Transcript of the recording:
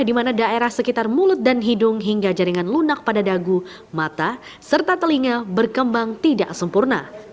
di mana daerah sekitar mulut dan hidung hingga jaringan lunak pada dagu mata serta telinga berkembang tidak sempurna